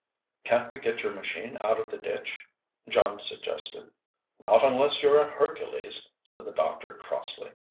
"Can't we get your machine out of the ditch?" John suggested. "Not unless you're a Hercules," said the doctor crossly.